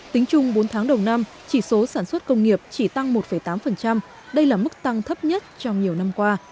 tính chung bốn tháng đầu năm chỉ số sản xuất công nghiệp chỉ tăng một tám đây là mức tăng thấp nhất trong nhiều năm qua